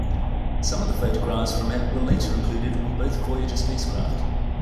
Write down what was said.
Some of the photographs from it were later included on both Voyager spacecraft.